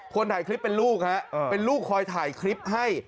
คนถ่ายคลิปเป็นลูกฮะเป็นลูกคอยถ่ายคลิปให้